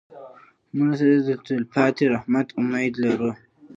مړه ته د تلپاتې رحمت امید لرو